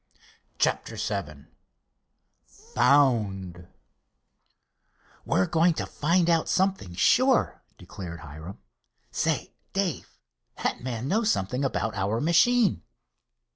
CHAPTER VII FOUND "We're going to find out something sure," declared Hiram. "Say, Dave, that man knows something about our machine."